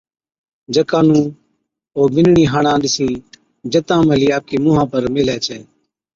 جڪا نُون او ٻِينڏڙِين ھاڙان ڏِسِين جتان مَھلِي آپڪي مُنھان پر ميلھي ڇَي